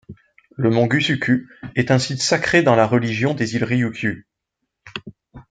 Le mont Gusuku est un site sacré dans la religion des îles Ryūkyū.